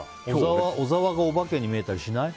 小沢がお化けに見えたりしない？